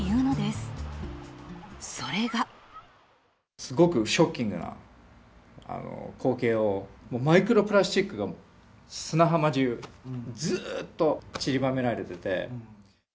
すごくショッキングな光景を、マイクロプラスチックが、砂浜中、ずっと散りばめられてて。